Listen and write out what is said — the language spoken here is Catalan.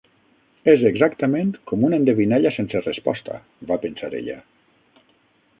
"És exactament com una endevinalla sense resposta!" va pensar ella.